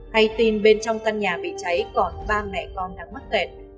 hay tin bên trong căn nhà bị cháy còn ba mẹ con đang mắc kẹt